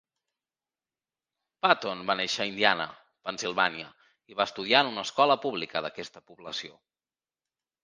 Patton va néixer a Indiana, Pennsylvania, i va estudiar en una escola pública d'aquesta població.